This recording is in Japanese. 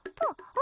あ！